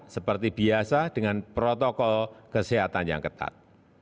seperti biasa dengan protokol kesehatan yang ketat